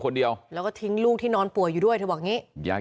คนเดียวแล้วก็ทิ้งลูกที่นอนป่วยอยู่ด้วยเธอบอกอย่างนี้อยาก